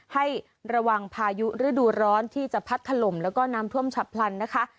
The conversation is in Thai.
ให้ระวังพายุฤดูร้อนที่จะพัดถล่มแล้วก็น้ำท่วมฉับพลันนะคะ